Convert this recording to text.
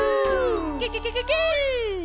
ケケケケケ。